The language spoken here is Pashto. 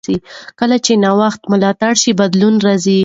کله چې نوښت ملاتړ شي، بدلون راځي.